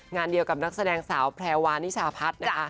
งานเดียวกับนักแสดงสาวแพรวานิชาพัฒน์นะคะ